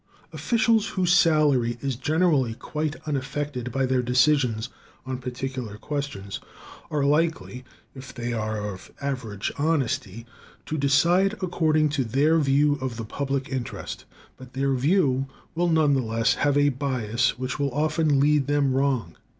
Officials, whose salary is generally quite unaffected by their decisions on particular questions, are likely, if they are of average honesty, to decide according to their view of the public interest; but their view will none the less have a bias which will often lead them wrong.